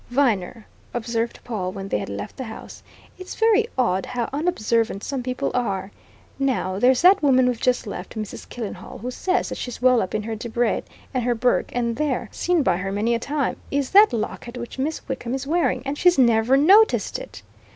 "Viner," observed Pawle when they had left the house, "it's very odd how unobservant some people are! Now, there's that woman we've just left, Mrs. Killenhall, who says that she's well up in her Debrett, and her Burke, and there, seen by her many a time, is that locket which Miss Wickham is wearing, and she's never noticed it!